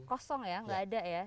kosong ya nggak ada ya